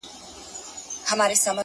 نن: سیاه پوسي ده’